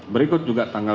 berikut juga tanggal